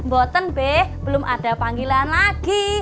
oh mboten be belum ada panggilan lagi